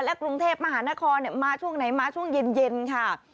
กรุงเทพมหานครมาช่วงไหนมาช่วงเย็นค่ะ